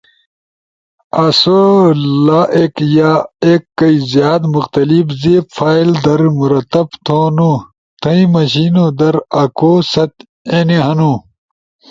آسو لا ایک یا ایک کئی زیاد مختلف زیب فائل در مرتب تھونو، تھئی مݜینو درکواست اینی ہنو: